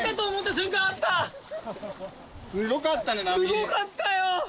すごかったよ。